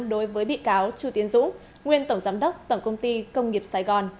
đối với bị cáo chu tiến dũng nguyên tổng giám đốc tổng công ty công nghiệp sài gòn